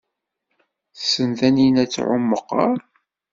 Tessen Taninna ad tɛum meqqar?